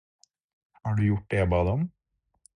Har du gjort det jeg ba deg om?